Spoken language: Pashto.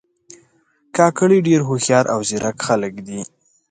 کاکړي ډېر هوښیار او زیرک خلک دي.